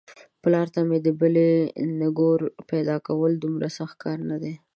پلار ته مې د بلې نږور پيداکول دومره سخت کار نه دی.